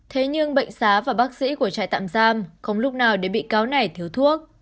thế nhưng bệnh xá và bác sĩ của trại tạm giam không lúc nào để bị cáo này thiếu thuốc